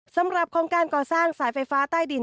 สำหรับโครงการก่อสร้างสายไฟฟ้าใต้ดิน